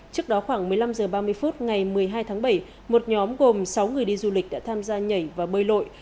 trước đó khoảng một mươi năm h ba mươi phút ngày một mươi hai tháng bảy một nhóm gồm sáu người đi du lịch đã tham gia nhảy và bơi lội